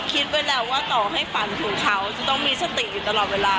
คิดไว้แล้วว่าต่อให้ฝันถึงเขาจะต้องมีสติอยู่ตลอดเวลา